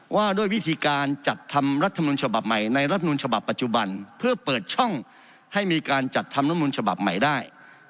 ว่าด้วยวิธีการจัดทำรัฐมนุนฉบับใหม่ในรัฐมนุนฉบับปัจจุบันเพื่อเปิดช่องให้มีการจัดทำรัฐมนุนฉบับใหม่ได้